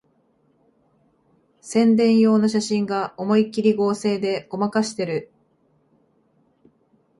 宣伝用の写真が思いっきり合成でごまかしてる